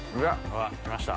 来ました。